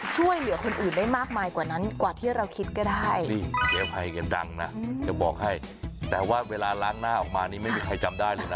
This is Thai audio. เจ๊ภัยยังดังนะจะบอกให้แต่ว่าเวลาล้างหน้าออกมานี่ไม่มีใครจำได้เลยนะ